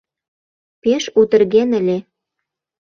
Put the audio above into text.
Пеш утырген ыле.